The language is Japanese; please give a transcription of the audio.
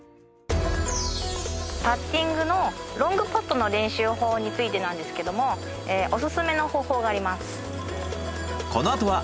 パッティングのロングパットの練習法についてなんですけどもオススメの方法があります。